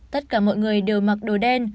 tất cả mọi người đều mặc đồ đen